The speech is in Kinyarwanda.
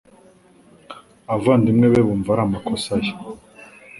Abavandimwe be bumvaga ari amakosa ye,